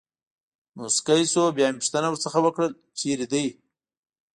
مسکی شو، بیا مې پوښتنه ورڅخه وکړل: چېرې دی.